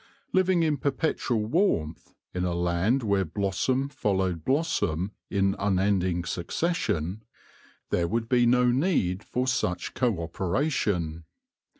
Living in perpetual warmth, in a land where blossom followed blossom in unending succession, 56 THE LORE OF THE HONEY BEE there would be no need for such co operation.